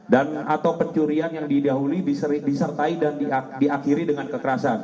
dan atau pencurian yang didahului disertai dan diakhiri dengan kekerasan